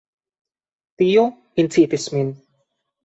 Tio incitis min.